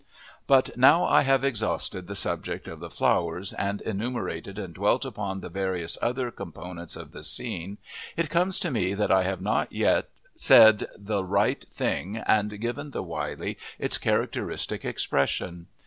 But now I have exhausted the subject of the flowers, and enumerated and dwelt upon the various other components of the scene, it comes to me that I have not yet said the right thing and given the Wylye its characteristic expression.